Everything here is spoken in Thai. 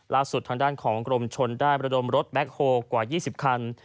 ล่าสุดทางด้านของกรมชนได้ประดมรถแบ็คโฮลกว่า๒๐คัน